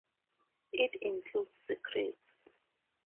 It includes secrets